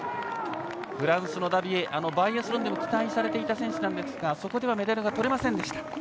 フランスのダビエはバイアスロンでも期待されていた選手なんですがそこではメダルがとれませんでした。